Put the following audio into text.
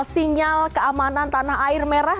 sinyal keamanan tanah air merah